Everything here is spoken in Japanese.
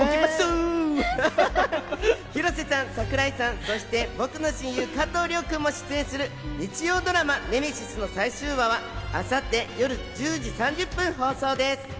広瀬さん、櫻井さん、そして僕の親友・加藤諒君も出演する日曜ドラマ『ネメシス』の最終話は、明後日夜１０時３０分放送です。